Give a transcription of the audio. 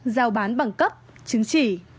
giao bán bằng cấp chứng chỉ